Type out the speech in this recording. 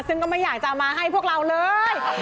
ซึ่งก็ไม่อยากจะเอามาให้พวกเราเลย